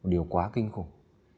một điều quá kinh khủng